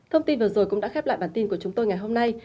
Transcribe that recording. thông tin vừa rồi cũng đã khép lại bản tin của chúng tôi ngày hôm nay